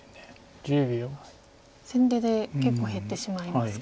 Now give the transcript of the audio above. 先手で結構減ってしまいますか。